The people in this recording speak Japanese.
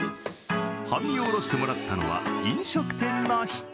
半身を下ろしてもらったのは飲食店の人。